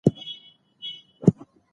موږ ته په ډاګه کوي چې